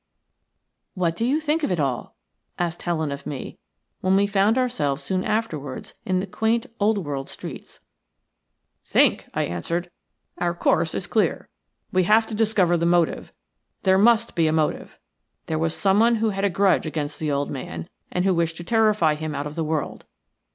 "What do you think of it all?" asked Helen of me, when we found ourselves soon afterwards in the quaint, old world streets. "Think!" I answered. "Our course is clear. We have got to discover the motive. There must be a motive. There was someone who had a grudge against the old man, and who wished to terrify him out of the world.